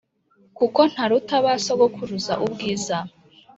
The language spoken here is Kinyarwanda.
kuko ntaruta ba sogokuruza ubwiza”